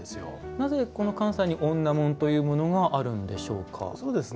なぜ、関西に女紋というものがあるんでしょう。